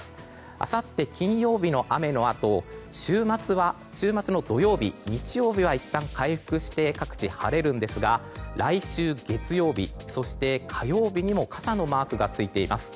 あさって金曜日の雨のあと週末の土曜日、日曜日はいったん回復して各地晴れるんですが来週月曜日そして火曜日にも傘のマークがついています。